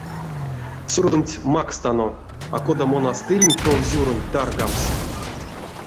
Сюродонть макстано, а кода монастырень товсюронть таргамс?